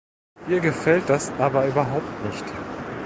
Ihr gefällt das aber überhaupt nicht.